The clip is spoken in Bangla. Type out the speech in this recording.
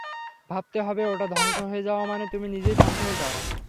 ভাবতে হবে, ওটা ধ্বংস হয়ে যাওয়া মানে তুমি নিজেই ধ্বংস হয়ে যাওয়া।